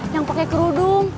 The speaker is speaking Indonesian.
yang pakai kerudung